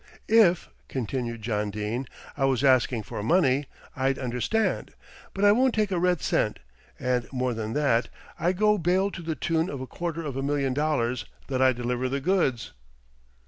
"If," continued John Dene, "I was asking for money, I'd understand; but I won't take a red cent, and more than that I go bail to the tune of a quarter of a million dollars that I deliver the goods."